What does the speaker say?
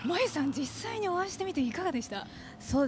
実際にお会いしてみていかがでした？